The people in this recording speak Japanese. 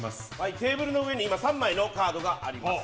テーブルの上に３枚のカードがあります。